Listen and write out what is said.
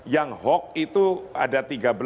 yang hok itu ada